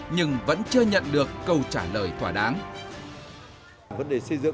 nhưng vẫn chưa nhận được câu trả lời thỏa đáng